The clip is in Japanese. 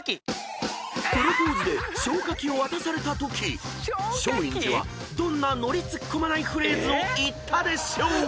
［プロポーズで消火器を渡されたとき松陰寺はどんなノリ突っ込まないフレーズを言ったでしょう？］